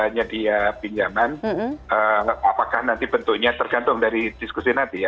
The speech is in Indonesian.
nyedia pinjaman apakah nanti bentuknya tergantung dari diskusi nanti ya